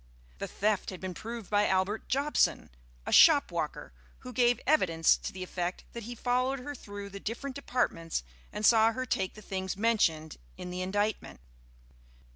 The theft had been proved by Albert Jobson, a shopwalker, who gave evidence to the effect that he followed her through the different departments and saw her take the things mentioned in the indictment.